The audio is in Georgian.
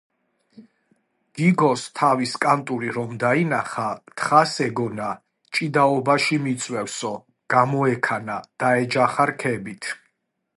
გიგოს თავის კანტური რომ დაინახა, თხას ეგონა, ჭიდაობაში მიწვევსო, გამოექანა, დაეჯახა რქებით,